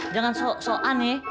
jangan sok sok aneh